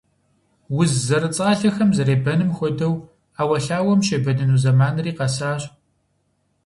Уз зэрыцӀалэхэм зэребэным хуэдэу, Ӏэуэлъауэм щебэныну зэманри къэсащ.